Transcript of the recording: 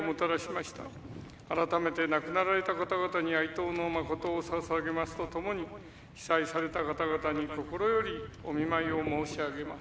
改めて亡くなられた方々に哀悼の誠をささげますとともに被災された方々に心よりお見舞いを申し上げます。